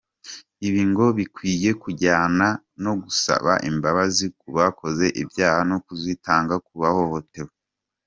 Ibi ngo bikwiye kujyana no gusaba imbabazi ku bakoze ibyaha no kuzitanga ku bahohotewe.